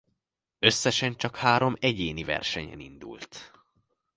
Összesen csak három egyéni versenyen indult.